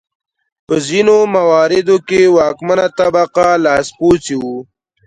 په ځینو مواردو کې واکمنه طبقه لاسپوڅي وو.